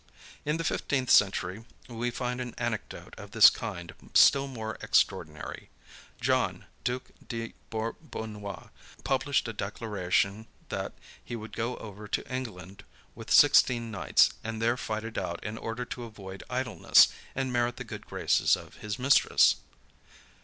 In the fifteenth century, we find an anecdote of this kind still more extraordinary. John, duke de Bourbonnois, published a declaration, that he would go over to England, with sixteen knights, and there fight it out, in order to avoid idleness, and merit the good graces of his mistress.